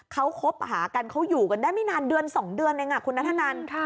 เขาคบหากันเขาอยู่กันได้ไม่นานเดือน๒เดือนเองคุณนัทธนัน